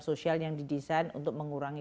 sosial yang didesain untuk mengurangi